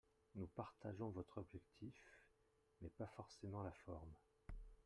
Nous partageons votre objectif, mais pas forcément la forme.